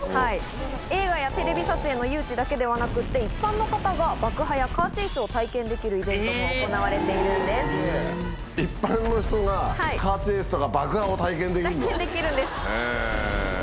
映画やテレビ撮影の誘致だけじゃなくて、一般の方が爆破やカーチェイスを体験できるイベントも行われてい一般の人がカーチェイスとかできるんです。